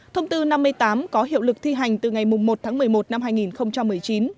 thông tư năm mươi tám có hiệu lực thi hành từ ngày một tháng một mươi một năm hai nghìn một mươi chín